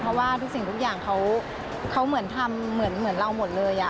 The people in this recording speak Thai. เพราะว่าทุกสิ่งทุกอย่างเขาเหมือนทำเหมือนเราหมดเลย